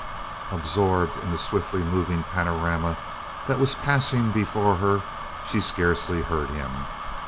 Absorbed in the swiftly moving panorama that was passing before her, she scarcely heard him.